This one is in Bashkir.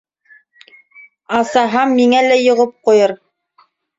Асаһам, миңә лә йоғоп ҡуйыр.